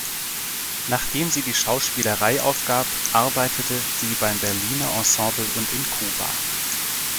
Nachdem sie die Schauspielerei aufgab, arbeitete sie beim Berliner Ensemble und in Kuba.